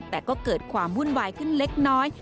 แต่ก็เกิดความวุ่นวายขึ้นเล็กน้อย